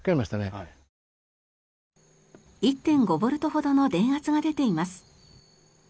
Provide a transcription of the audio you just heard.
１．５ボルトほどの電圧が出ています。